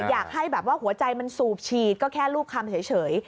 อยากให้แบบว่าหัวใจมันสูบฉีดก็แค่รูปคำเฉย